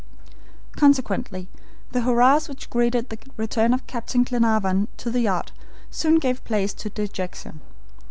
Consequently, the hurrahs which greeted the return of Lord Glenarvan to the yacht soon gave place to dejection.